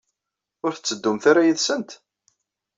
Ur tetteddumt ara yid-sent?